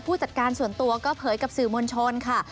จัดการส่วนตัวก็เผยกับสื่อมวลชนค่ะ